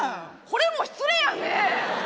これも失礼やんねえ？